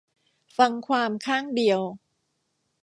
ฟังความข้างเดียว